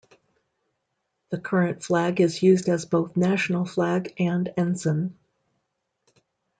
The current flag is used as both national flag and ensign.